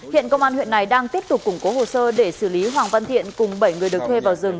hiện công an huyện này đang tiếp tục củng cố hồ sơ để xử lý hoàng văn thiện cùng bảy người được thuê vào rừng